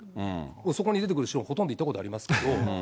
そこに出てくる城、ほとんど行ったことありますけど。